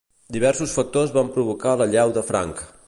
Diversos factors van provocar l'allau de Frank.